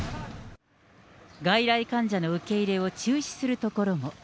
外来患者の受け入れを中止するところも。